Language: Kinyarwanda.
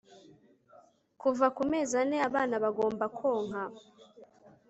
kuva ku mezi ane abana bagomba konka